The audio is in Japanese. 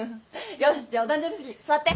よしじゃあお誕生日席座って。